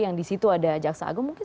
yang di situ ada jaksa agung mungkin